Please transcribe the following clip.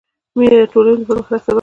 مینه د ټولنې پرمختګ سبب دی.